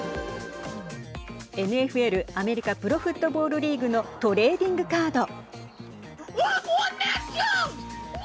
ＮＦＬ＝アメリカプロフットボールリーグのトレーディングカード。